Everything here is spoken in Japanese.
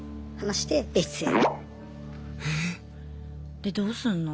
でどうすんの？